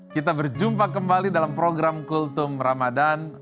kita berjumpa kembali dalam program kultum ramadhan